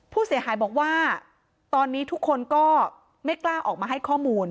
ผู้เสียหายบอกว่าตอนนี้ทุกคนก็ไม่กล้าออกมาให้ข้อมูล